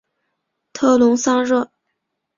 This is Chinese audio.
特龙桑热。